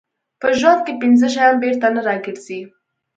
په ژوند کې پنځه شیان بېرته نه راګرځي.